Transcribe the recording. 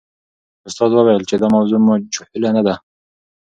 استاد وویل چې دا موضوع مجهوله نه ده.